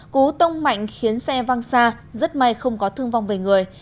cú tông mạnh khiến xe văng xa rất may không có thương vong về người